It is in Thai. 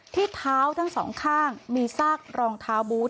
ที่เท้าทั้งสองข้างมีซากรองเท้าบูธ